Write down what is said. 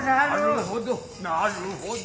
なるほどなるほど。